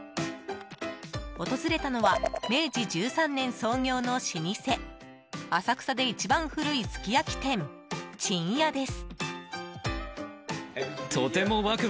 訪れたのは明治１３年創業の老舗浅草で一番古いすき焼き店ちんやです。